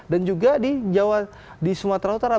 dan juga di jawa di sumatera utara